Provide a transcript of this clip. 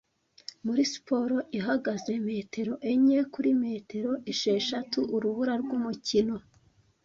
Muri siporo ihagaze metero enye kuri metero esheshatu Urubura rwumukino